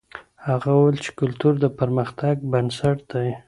هغه وویل چې کلتور د پرمختګ بنسټ دی.